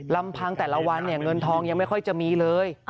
ลำพังแต่ละวันเนี่ยเงินทองยังไม่ค่อยจะมีเลย